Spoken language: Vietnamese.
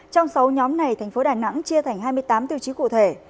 trong sáu nhóm này thành phố đà nẵng chia thành hai mươi tám tiêu chí cụ thể